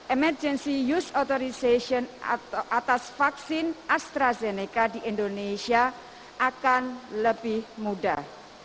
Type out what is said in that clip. emergency use authorization atau atas vaksin astrazeneca di indonesia akan lebih mudah